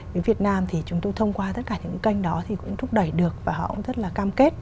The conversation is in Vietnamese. với việt nam thì chúng tôi thông qua tất cả những kênh đó thì cũng thúc đẩy được và họ cũng rất là cam kết